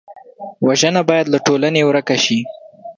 وژنه باید له ټولنې ورک شي